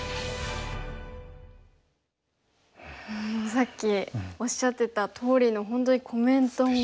さっきおっしゃってたとおりの本当にコメントもすごいかっこいい。